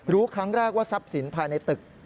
รู้ครั้งแรกว่าทรัพย์สินภายในตึก